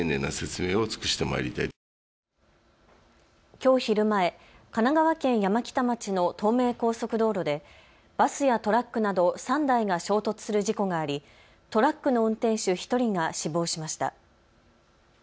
きょう昼前、神奈川県山北町の東名高速道路でバスやトラックなど３台が衝突する事故があり、トラックの運転手１人が死亡しました。